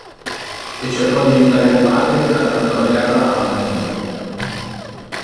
E cercò di aiutare il padre grattando la terra a mani nude.